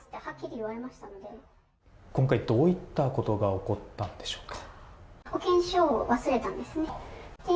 今回どういったことが起こったんでしょうか。